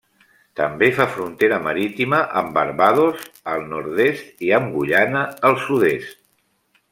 També fa frontera marítima amb Barbados, al nord-est, i amb Guyana, al sud-est.